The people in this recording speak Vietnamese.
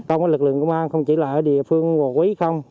công an không chỉ là ở địa phương hồ quý không